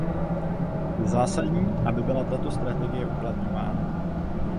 Je zásadní, aby byla tato strategie uplatňována.